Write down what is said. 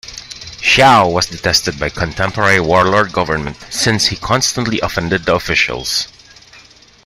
Shao was detested by contemporary warlord government since he constantly offended the officials.